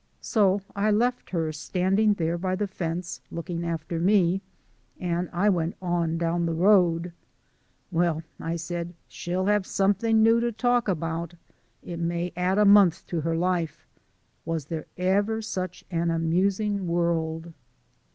So I left her standing there by the fence looking after me, and I went on down the road. "Well," I said, "she'll have something new to talk about. It may add a month to her life. Was there ever such an amusing world!"